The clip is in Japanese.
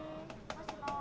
もしもし。